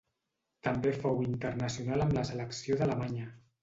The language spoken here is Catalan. També fou internacional amb la selecció d'Alemanya.